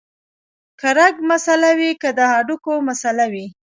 کۀ رګ مسئله وي او کۀ د هډوکي مسئله وي